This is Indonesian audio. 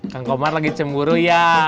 kang komar lagi cemburu ya